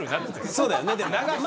そうだよね、でも。